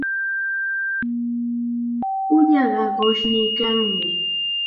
Ullaqa qushniykanmi.